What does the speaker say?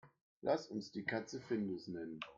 Lass uns die Katze Findus nennen.